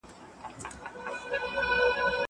کښېناستل وکړه!